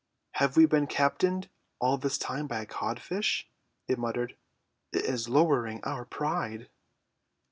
"Have we been captained all this time by a codfish!" they muttered. "It is lowering to our pride."